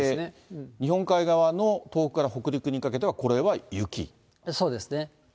日本海側の東北から北陸にかけてそうですね。